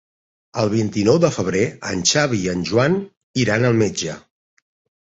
El vint-i-nou de febrer en Xavi i en Joan iran al metge.